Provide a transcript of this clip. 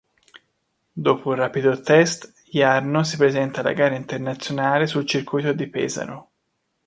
Dopo un rapido test, Jarno si presenta alla gara internazionale sul Circuito di Pesaro.